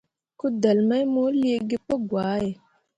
Kudelle mai mo liigi pǝgwahe.